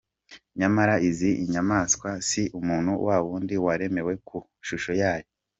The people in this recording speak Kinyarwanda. Nyamara izi ni inyamaswa si umuntu wa wundi waremwe ku ishusho yayo.